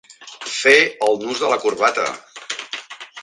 Fer el nus de la corbata.